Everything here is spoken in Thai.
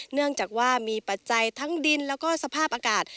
เนื่องจากว่ามีปัจจัยทั้งดินแล้วก็สภาพอากาศ